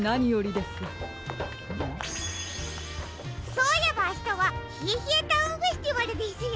そういえばあしたはひえひえタウンフェスティバルですよ！